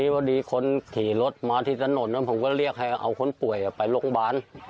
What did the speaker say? พอดีคนขี่รถมาที่ถนนผมก็เรียกให้เอาคนป่วยไปโรงพยาบาล